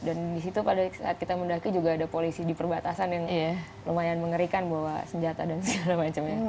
dan disitu pada saat kita mendaki juga ada polisi di perbatasan yang lumayan mengerikan bawa senjata dan segala macamnya